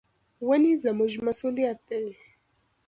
ونې زموږ مسؤلیت دي.